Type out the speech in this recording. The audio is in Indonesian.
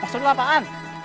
maksudnya apa an